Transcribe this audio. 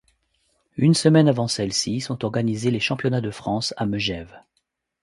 Une semaine avant celle-ci, sont organisés les championnats de France à Megève.